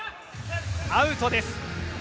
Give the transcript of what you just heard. アウトです。